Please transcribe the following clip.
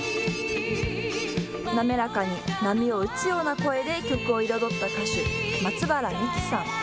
滑らかに波を打つような声で曲を彩った歌手、松原みきさん。